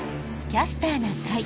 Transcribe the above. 「キャスターな会」。